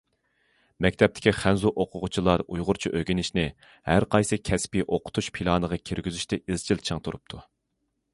مەكتەپتىكى خەنزۇ ئوقۇغۇچىلار ئۇيغۇرچە ئۆگىنىشنى ھەر قايسى كەسپىي ئوقۇتۇش پىلانىغا كىرگۈزۈشتە ئىزچىل چىڭ تۇرۇپتۇ.